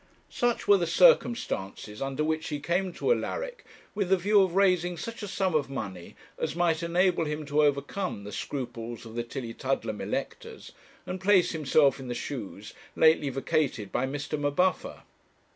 Such were the circumstances under which he came to Alaric with the view of raising such a sum of money as might enable him to overcome the scruples of the Tillietudlem electors, and place himself in the shoes lately vacated by Mr. M'Buffer.